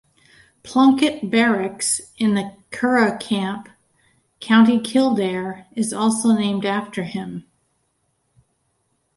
Plunkett barracks in the Curragh Camp, County Kildare is also named after him.